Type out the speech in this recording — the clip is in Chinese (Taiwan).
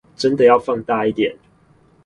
真的要放大一點